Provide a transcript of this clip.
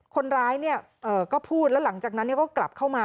คนร้ายก็พูดแล้วหลังจากนั้นก็กลับเข้ามา